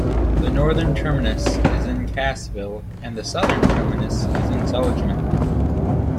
The northern terminus is in Cassville and the southern terminus is in Seligman.